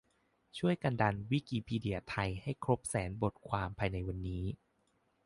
ช่วยกันดันวิกิพีเดียไทยให้ครบแสนบทความภายในวันนี้